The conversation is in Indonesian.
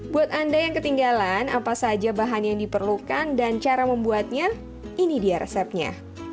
buat anda yang ketinggalan apa saja bahan yang diperlukan dan cara membuatnya ini dia resepnya